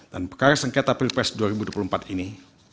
dan pekara sengketa pilpres dua ribu dua puluh empat ini